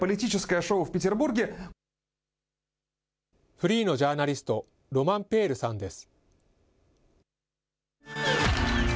フリーのジャーナリスト、ロマン・ペールさんです。